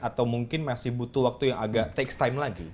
atau mungkin masih butuh waktu yang agak takes time lagi